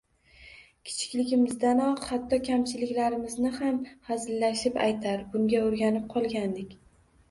Kichikligimizdanoq hatto kamchiliklarimizni ham hazillashib aytar, bunga o`rganib qolgandik